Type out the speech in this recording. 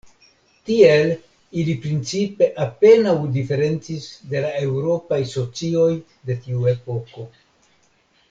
Tiel, ili principe apenaŭ diferencis de la eŭropaj socioj de tiu epoko.